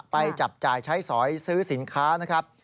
จับจ่ายใช้สอยซื้อสินค้านะครับ